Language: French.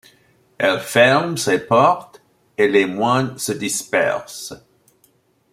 Elle ferme ses portes et les moines se dispersent.